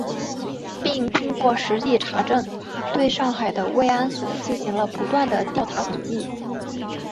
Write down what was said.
并通过实地查证，对上海的慰安所进行了不断地调查统计